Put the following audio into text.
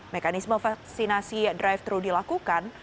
mekanisme vaksinasi drive thru dilakukan